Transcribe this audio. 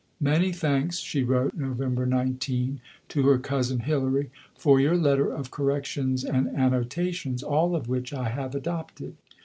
"Many thanks," she wrote (Nov. 19) to her cousin Hilary, "for your letter of corrections and annotations, all of which I have adopted.